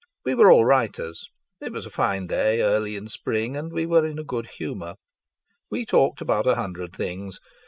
We were all writers. It was a fine day, early in spring, and we were in a good humour. We talked about a hundred things.